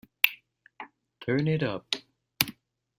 Turn it up!